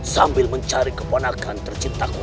sambil mencari kepanakan tercintaku